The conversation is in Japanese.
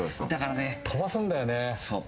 飛ばすんだよね。